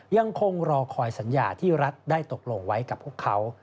ยังคงรอคอยสัญญาที่รัฐได้ตกลงไว้กับพวกเขา